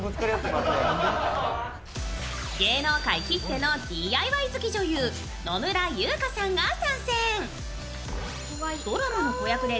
芸能界きってのＤＩＹ好きの女優野村佑香さんが参戦。